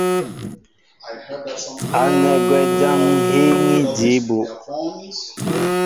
Ánɛ́ gwɛ́ jǎn ŋ́ hííŋí jǐ bú.